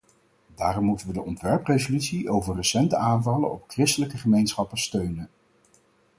Daarom moeten we de ontwerpresolutie over recente aanvallen op christelijke gemeenschappen steunen.